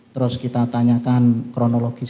terus kita tanyakan kronologis